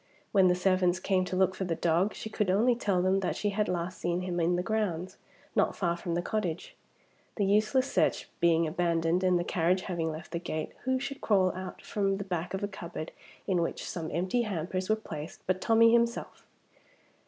When the servants came to look for the dog, she could only tell them that she had last seen him in the grounds, not far from the cottage. The useless search being abandoned, and the carriage having left the gate, who should crawl out from the back of a cupboard in which some empty hampers were placed but Tommie himself!